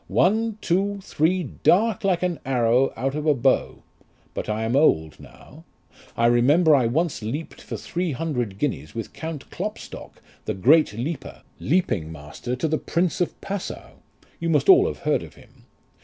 One, two, three, dart like an arrow out of a bow. But I am old now. I remember I once leaped for three hundred guineas with Count Klopstock, the great leaper, leaping master to the Prince of Passau ; you must all have heard of him.